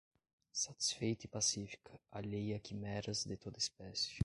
satisfeita e pacífica, alheia a quimeras de toda espécie